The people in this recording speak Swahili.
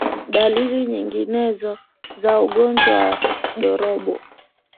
Dalili nyinginezo za ugonjwa wa ndorobo